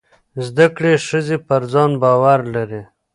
زده کړې ښځې پر ځان باور لري.